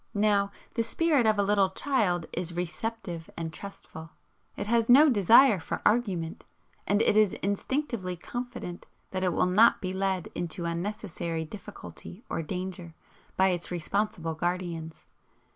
Now the spirit of a little child is receptive and trustful. It has no desire for argument, and it is instinctively confident that it will not be led into unnecessary difficulty or danger by its responsible guardians.